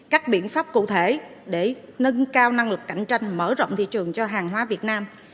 các biện pháp cụ thể để nâng cao năng lực cạnh tranh mở rộng thị trường cho hàng hóa việt nam